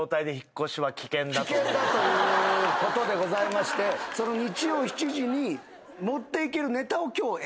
危険だということでございましてその日曜７時に持っていけるネタを今日選んで。